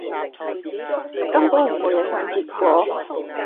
根本不會影響結果